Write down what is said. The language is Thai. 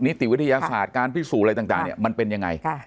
ติวิทยาศาสตร์การพิสูจน์อะไรต่างมันเป็นยังไง